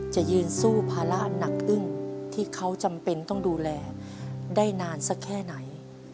จะยืนสู้ภาระหนักอึ้งที่เขาจำเป็นต้องดูแลได้นานสักแค่ไหน